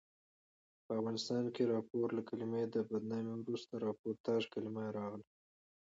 په افغانستان کښي راپور له کلمې د بدنامي وروسته راپورتاژ کلیمه راغله.